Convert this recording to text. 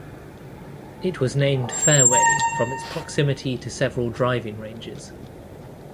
It was named Fairway from its proximity to several driving ranges.